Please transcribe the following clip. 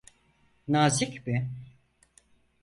Nazik mi?